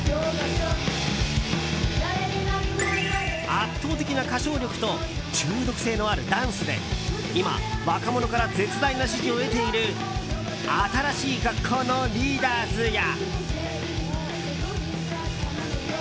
圧倒的な歌唱力と中毒性のあるダンスで今、若者から絶大な支持を得ている新しい学校のリーダーズや。